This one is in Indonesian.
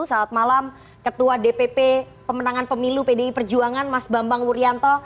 selamat malam ketua dpp pemenangan pemilu pdi perjuangan mas bambang wuryanto